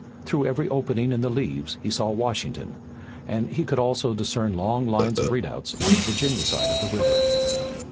Through every opening in the leaves he saw Washington and he could also discern long lines of redoubts on the Virginia side of the river.